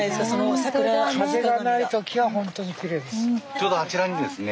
ちょうどあちらにですね